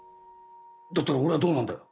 だったら俺はどうなるんだよ。